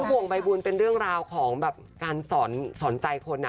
ห่วงใบบุญเป็นเรื่องราวของแบบการสอนใจคน